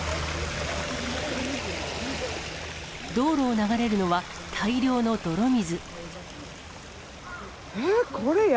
道路を流れるのは、大量の泥水。